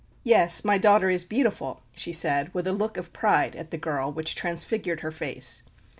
"Yes, my daughter is beautiful," she said, with a look of pride at the girl which transfigured her face.